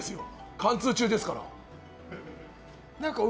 貫通中ですから。